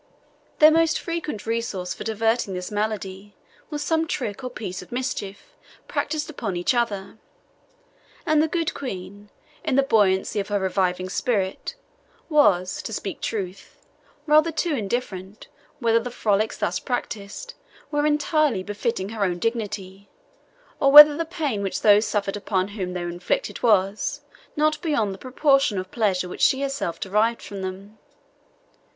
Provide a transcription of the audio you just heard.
Their most frequent resource for diverting this malady was some trick or piece of mischief practised upon each other; and the good Queen, in the buoyancy of her reviving spirits, was, to speak truth, rather too indifferent whether the frolics thus practised were entirely befitting her own dignity, or whether the pain which those suffered upon whom they were inflicted was not beyond the proportion of pleasure which she herself derived from them.